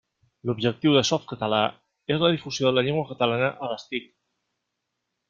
L'objectiu de Softcatalà és la difusió de la llengua catalana a les TIC.